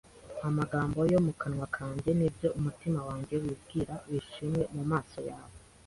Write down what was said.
Amagambo yo mu kanwa kanjye n’ibyo umutima wanjye wibwira bishimwe mu maso yawe,